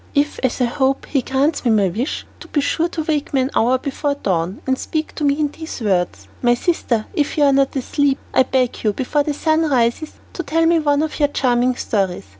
If, as I hope, he grants me my wish, be sure that you wake me an hour before the dawn, and speak to me in these words: 'My sister, if you are not asleep, I beg you, before the sun rises, to tell me one of your charming stories.'